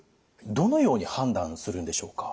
どのように判断するんでしょうか？